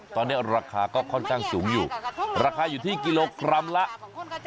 ตอนนี้ราคาก็ค่อนข้างสูงอยู่ราคาอยู่ที่กิโลกรัมละ